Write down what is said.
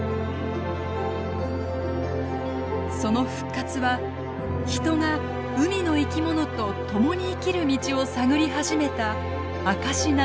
その復活は人が海の生き物と共に生きる道を探り始めた証しなのです。